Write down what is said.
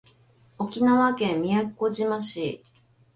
沖縄県宮古島市